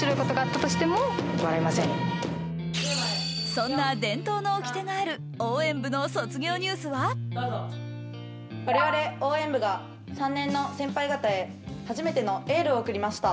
そんな伝統のおきてのある応援部の卒業ニュースは我々応援部が３年の先輩方へ初めてのエールを送りました。